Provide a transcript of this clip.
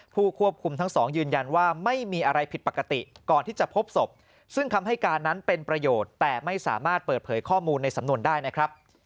เพราะฉะนั้นเป็นประโยชน์แต่ไม่สามารถเปิดเผยข้อมูลในสำนวนได้นะครับ